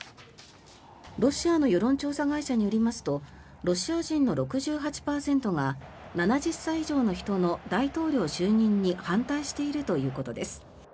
ロシアの世論調査会社によりますとロシア人の６８％が７０歳以上の人の大統領就任に反対しているということです。